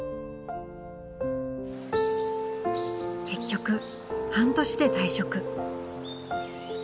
結局半年で退職。